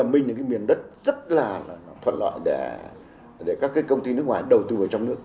mình là cái miền đất rất là thuận loại để các công ty nước ngoài đầu tư vào trong nước